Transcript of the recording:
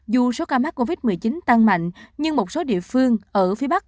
dù số ca mắc covid một mươi chín tăng mạnh nhưng một số địa phương ở phía bắc